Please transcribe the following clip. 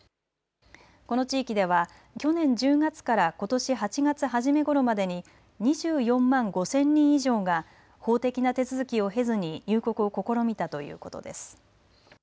この地域では去年１０月からことし８月初めごろまでに２４万５０００人以上が法的な手続きを経ずに入国を試みたということです。